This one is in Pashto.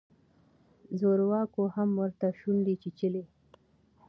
زورواکو هم ورته شونډې چیچلې.